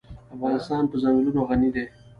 افغانستان په ځنګلونه غني دی.